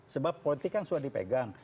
sebab politik kan sudah dipegang